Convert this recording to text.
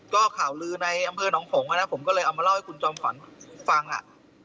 ก็ข่าวลือในอำเภอหนองผงอ่ะนะผมก็เลยเอามาเล่าให้คุณจอมขวัญฟังอ่ะ